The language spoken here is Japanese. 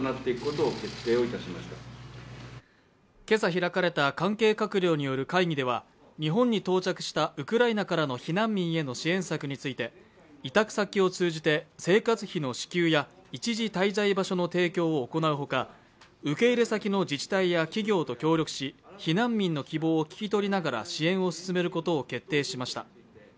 今朝開かれた関係閣僚による会議では日本に到着したウクライナからの避難民への支援策について委託先を通じて、生活費の支給や一時滞在場所の提供を行うほか、受け入れ先の自治体や企業と協力し避難民の希望を聞き取りながら支援を進めることを決定しました。